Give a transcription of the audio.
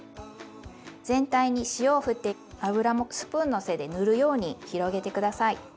全体に塩をふって油もスプーンの背で塗るように広げて下さい。